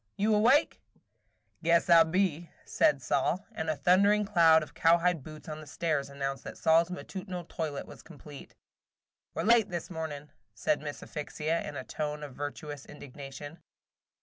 Sol! You awake?" "Guess I be," said Sol; and a thundering sound of cowhide boots on the stairs announced that Sol's matutinal toilet was complete. "We 're late this morning," said Miss Asphyxia, in a tone of virtuous indignation.